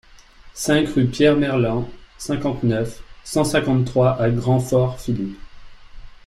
cinq rue Pierre Merlen, cinquante-neuf, cent cinquante-trois à Grand-Fort-Philippe